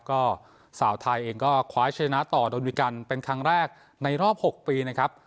ก็สาวไทยเองก็คว้าชนะต่อโดมิกันเป็นครั้งแรกในรอบ๖ปีนะครับ